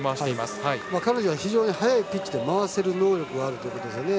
彼女は非常に速いピッチで回す能力があるんですね。